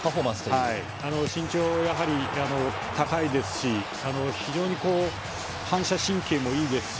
それで身長が高いですし非常に反射神経もいいですし。